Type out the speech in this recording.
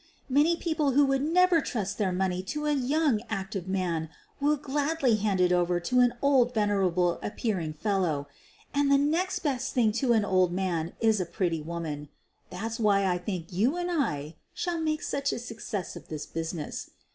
Many people who would never trust their money to a young, active man will gladly hand it over to an old, venerable appearing fellow. And the next best thing to an old man is a pretty woman ■— that's why I think you and I shall make such a success of this business.